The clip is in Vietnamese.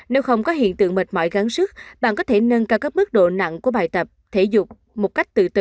nếu không có hiện tượng mệt mỏi gắn sức bạn có thể nâng cao các mức độ nặng của bài tập thể dục một cách từ từ